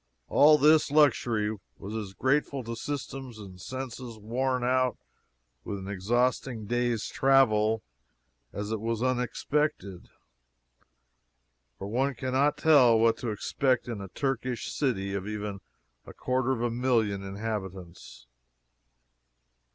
All this luxury was as grateful to systems and senses worn out with an exhausting day's travel, as it was unexpected for one can not tell what to expect in a Turkish city of even a quarter of a million inhabitants.